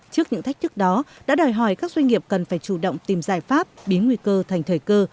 trước những thách thức đó đã đòi hỏi các doanh nghiệp cần phải chủ động tìm giải pháp biến nguy cơ thành thời cơ